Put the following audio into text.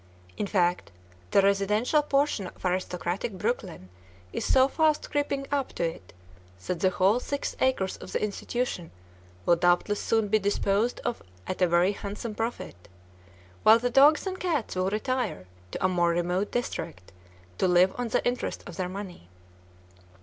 In fact, the residential portion of aristocratic Brookline is so fast creeping up to it that the whole six acres of the institution will doubtless soon be disposed of at a very handsome profit, while the dogs and cats will retire to a more remote district to "live on the interest of their money."